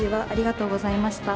ありがとうございます。